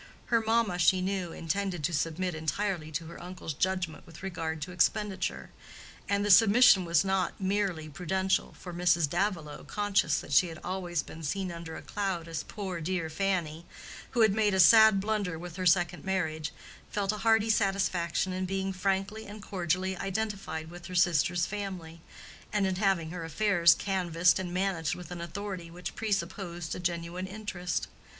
Her mamma, she knew, intended to submit entirely to her uncle's judgment with regard to expenditure; and the submission was not merely prudential, for Mrs. Davilow, conscious that she had always been seen under a cloud as poor dear Fanny, who had made a sad blunder with her second marriage, felt a hearty satisfaction in being frankly and cordially identified with her sister's family, and in having her affairs canvassed and managed with an authority which presupposed a genuine interest.